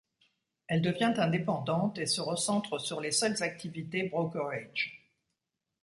Elle devient indépendante et se recentre sur les seules activités brokerage.